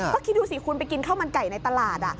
ก็คิดดูสิคุณไปกินข้าวมันไก่ในตลาด